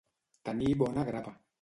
Tenir bona grapa.